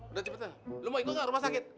udah cepet lo mau ikut gak rumah sakit